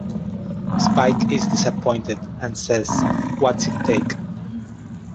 Spike is disappointed and says What's it take?